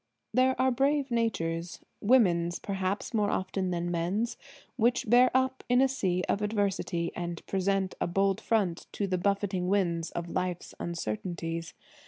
There are brave natures–women's perhaps, more often than men's–which bear up in a sea of adversity, and present a bold front to the buffeting winds of life's uncertainties.